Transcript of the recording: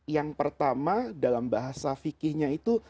yang pertama dalam bahasa fikihnya itu